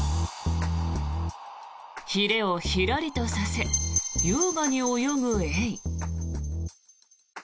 ひれをひらりとさせ優雅に泳ぐエイ。